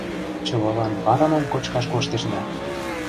Чывылан варымым кочкаш коштеш да...